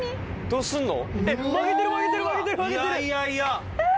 ・どうすんの？